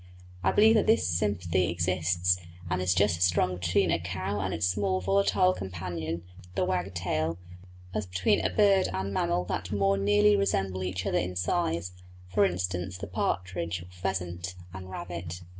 I believe that this sympathy exists and is just as strong between a cow and its small volatile companion, the wagtail, as between a bird and mammal that more nearly resemble each other in size; for instance, the partridge, or pheasant, and rabbit.